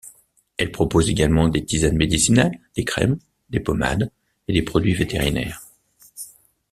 Elle propose également des tisanes médicinales, des crèmes, des pommades et des produits vétérinaires.